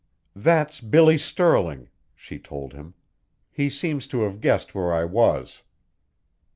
"That's Billy Stirling," she told him. "He seems to have guessed where I was."